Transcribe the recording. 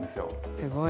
すごい。